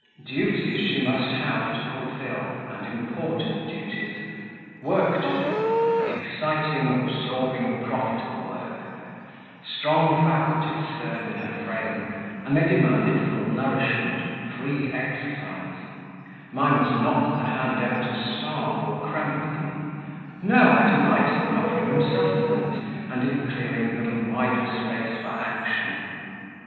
Duties she must have to fulfil, and important duties; work to do and exciting, absorbing, profitable work; strong faculties stirred in her frame, and they demanded full nourishment, free exercise: mine was not the hand ever to starve or cramp them; no, I delighted in offering them sustenance, and in clearing them wider space for action.